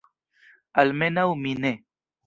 Almenaŭ mi ne.